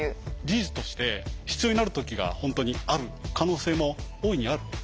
事実として必要になる時が本当にある可能性も大いにある。